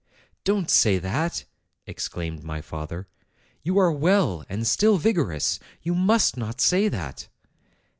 "Don't say that," exclaimed my father. 'You are well and still vigorous. You must not say that."